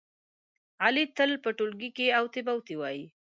علي تل په ټولگي کې اوتې بوتې وایي.